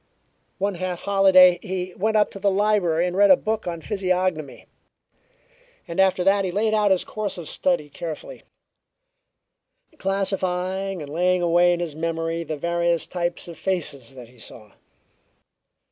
One half holiday he went up to the library and read a book on physiognomy, and after that he laid out his course of study carefully, classifying and laying away in his memory the various types of faces that he saw.